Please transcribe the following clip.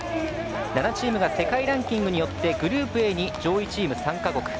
７チームが世界ランキングによってグループＡに上位チーム３か国。